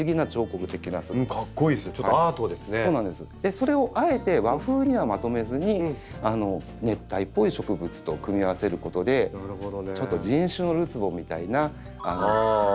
それをあえて和風にはまとめずに熱帯っぽい植物と組み合わせることでちょっと人種のるつぼみたいな無国籍な感じにつなげるんですね。